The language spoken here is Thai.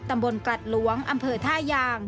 ตำบลกรัฐหลวงอำเผอธ่ายาง